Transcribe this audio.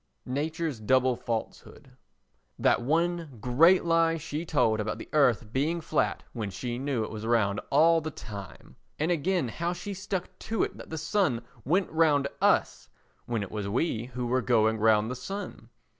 Nature's Double Falsehood That one great lie she told about the earth being flat when she knew it was round all the time! And again how she stuck to it that the sun went round us when it was we who were going round the sun!